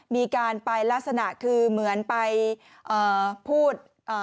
มีการไปลักษณะคือเหมือนไปพูด